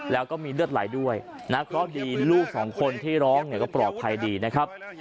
แล้วก็มีเลือดไหลด้วยนะเพราะดีลูกสองคนที่ร้องเนี่ยก็ปลอดภัยดีนะครับ